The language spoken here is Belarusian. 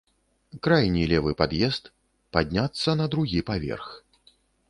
Крайні левы пад'езд, падняцца на другі паверх.